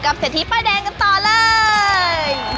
กับเสื้อถีป้ายแดงกันต่อเลย